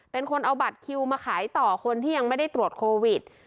เป็นคนเอาบัตรคิวมาขายต่อคนที่ยังไม่ได้ตรวจโควิด